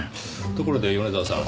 ところで米沢さん